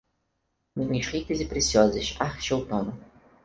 Nuvens ricas e preciosas, arte e outono